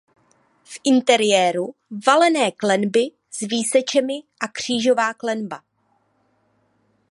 V interiéru valené klenby s výsečemi a křížová klenba.